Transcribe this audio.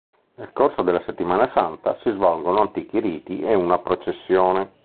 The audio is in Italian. Nel corso della Settimana santa, si svolgono antichi riti e una processione.